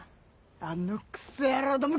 あのクソ野郎ども